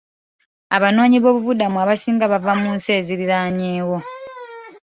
Abanoonyiboobubudamu abasinga bava mu nsi ezirinaanyeewo.